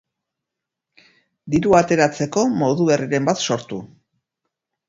Dirua ateratzeko modu berriren bat sortu.